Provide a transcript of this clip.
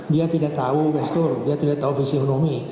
dia tidak tahu pastur dia tidak tahu fisiologi